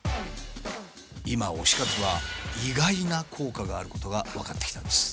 今推し活は意外な効果があることが分かってきたんです。